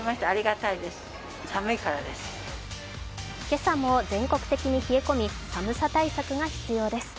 今朝も全国的に冷え込み寒さ対策が必要です。